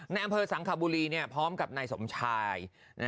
ในอำเภอสังคบุรีพร้อมกับนายสมชาย